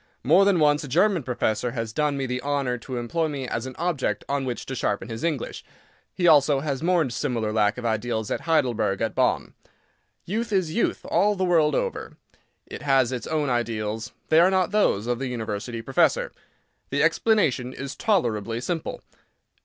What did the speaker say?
More than once a German professor has done me the honour to employ me as an object on which to sharpen his English. He also has mourned similar lack of ideals at Heidelberg, at Bonn. Youth is youth all the world over; it has its own ideals; they are not those of the University professor. The explanation is tolerably simple.